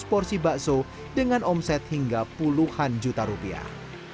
seratus porsi bakso dengan omset hingga puluhan juta rupiah